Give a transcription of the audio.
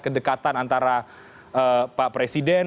kedekatan antara pak presiden